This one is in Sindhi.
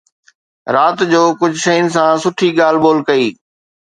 رات جو ڪجهه شين سان سٺي ڳالهه ٻولهه ڪئي